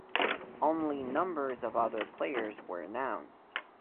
Only numbers of other players were announced.